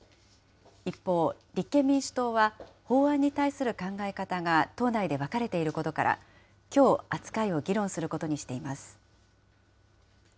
一方、立憲民主党は法案に対する考え方が党内で分かれていることから、きょう扱いを議論することにしています。